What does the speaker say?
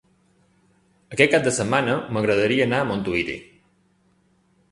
Aquest cap de setmana m'agradaria anar a Montuïri.